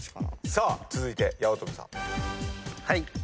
さあ続いて八乙女さん。